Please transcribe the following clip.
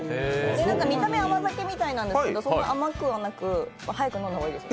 見た目、甘酒みたいなんですけどそんなに甘くはなく早く飲んだ方がいいですか？